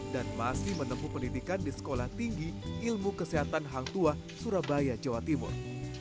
dan masih menempuh pendidikan di sekolah tinggi ilmu kesehatan hang tua surabaya jawa timur